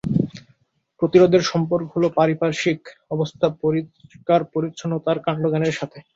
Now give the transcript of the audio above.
প্রতিরোধের সম্পর্ক হল পারিপার্শ্বিক অবস্থা, পরিষ্কার পরিচ্ছন্নতা আর কান্ড জ্ঞানের সাথে।